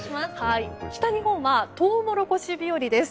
北日本はトウモロコシ日和です。